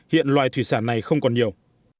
hiện loài thủy sản này không còn nhiều